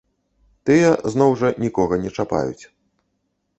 Тыя, зноў жа, нікога не чапаюць.